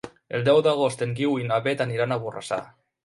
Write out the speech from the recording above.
El deu d'agost en Guiu i na Beth aniran a Borrassà.